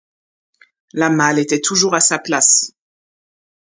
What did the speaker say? La malle était toujours à sa place.